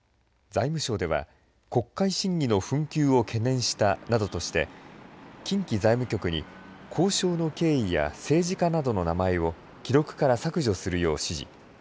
財務省では、国会審議の紛糾を懸念したなどとして、近畿財務局に交渉の経緯や政治家などの名前を、記録から削除するよう指示。